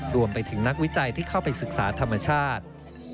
รวมไปถึงนักวิจัยที่เข้าไปศึกษาธรรมชาติ